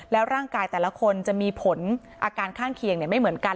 แล้วร่างกายแต่ละคนจะมีผลอาการข้างเคียงไม่เหมือนกัน